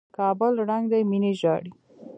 کابل ړنګ دى ميني ژاړي